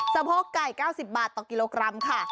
สะโพกไก่๙๐บาทต่อกิโลกรัมค่ะ